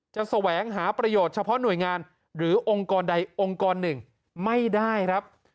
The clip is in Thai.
แสวงหาประโยชน์เฉพาะหน่วยงานหรือองค์กรใดองค์กรหนึ่งไม่ได้ครับ